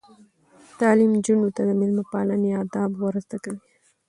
تعلیم نجونو ته د میلمه پالنې آداب ور زده کوي.